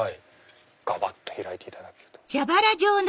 がばっと開いていただけると。